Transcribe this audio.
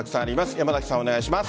山崎さん、お願いします。